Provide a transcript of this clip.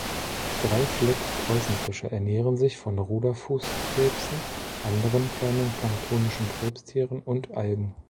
Dreifleck-Preußenfische ernähren sich von Ruderfußkrebsen, anderen kleinen planktonischen Krebstieren und Algen.